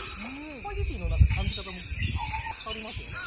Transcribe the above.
スパゲティの感じ方も変わりますよね。